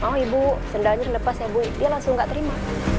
oh ibu sendalnya dilepas ya bu dia langsung nggak terima